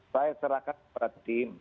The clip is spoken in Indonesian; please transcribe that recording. saya serahkan kepada tim